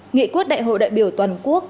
nghị quốc đại hội đại biểu toàn quốc